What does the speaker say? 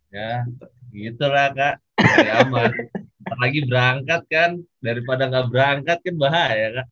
ya gitu lah kak apalagi berangkat kan daripada nggak berangkat kan bahaya kak